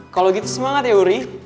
kalau gitu semangat ya uri